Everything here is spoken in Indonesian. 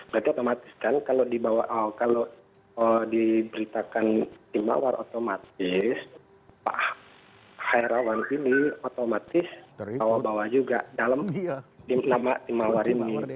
berarti otomatis kan kalau diberitakan tim mawar otomatis pak hairawan ini otomatis bawa bawa juga dalam nama tim mawar ini